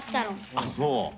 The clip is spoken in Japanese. あっ、そう。